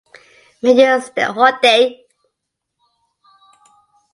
Men use dhoti.